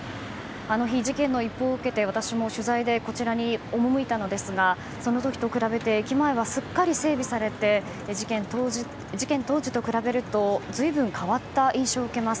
あの日、事件の一報を受けて私も取材でこちらに赴いたのですがそのときと比べて駅前はすっかり整備されて事件当時と比べるとずいぶん変わった印象を受けます。